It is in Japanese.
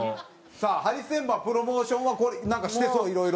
さあハリセンボンはプロモーションはなんかしてそう色々。